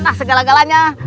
nah segala galanya